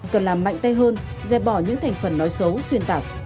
cần làm mạnh tay hơn dẹp bỏ những thành phần nói xấu xuyên tạc